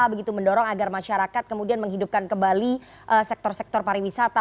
begitu mendorong agar masyarakat kemudian menghidupkan kembali sektor sektor pariwisata